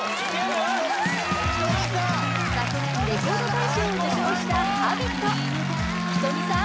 昨年レコード大賞を受賞した「Ｈａｂｉｔ」ｈｉｔｏｍｉさん